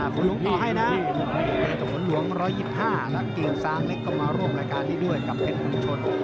ฝูนุ้งต่อให้น็อคให้ส่วนหลวง๑๒๕และกินซ้างเล็กก็มาร่วมรายการนี้ด้วยกับเพชรคุณชน